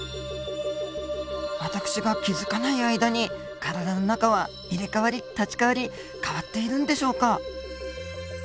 私が気付かない間に体の中は入れ代わり立ち代わり変わっているんでしょうか。